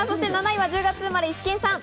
７位は１０月生まれ、イシケンさん。